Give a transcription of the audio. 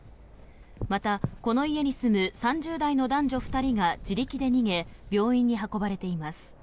また、この家に住む３０代の男女２人が自力で逃げ病院に運ばれています。